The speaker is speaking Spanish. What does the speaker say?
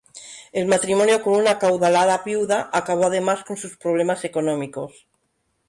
El matrimonio con una acaudalada viuda acabó además con sus problemas económicos.